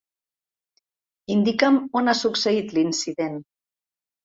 Indica'm on ha succeït l'incident.